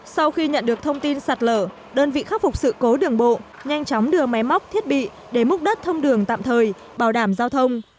sau khi nhận được thông tin sạt lở đơn vị khắc phục sự cố đường bộ nhanh chóng đưa máy móc thiết bị để múc đất thông đường tạm thời bảo đảm giao thông